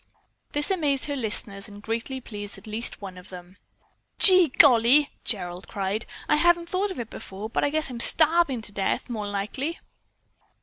This amazed her listeners and greatly pleased at least one of them. "Gee golly!" Gerald cried. "I hadn't thought of it before, but I guess I'm starving to death more'n likely."